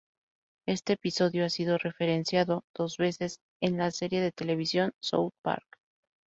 Este episodio ha sido referenciado dos veces en la serie de televisión "South Park".